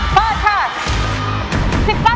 เชิญลงคะแนนได้เลย